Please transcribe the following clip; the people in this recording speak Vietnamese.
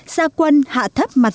gia quân hạ thấp mạng